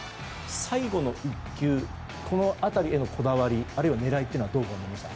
最後の１球この辺りへのこだわりあるいは狙いというのはどうご覧になりました？